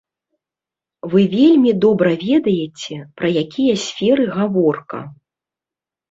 Вы вельмі добра ведаеце, пра якія сферы гаворка.